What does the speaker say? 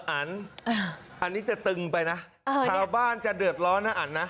อันนี้จะตึงไปนะชาวบ้านจะเดือดร้อนนะอันนะ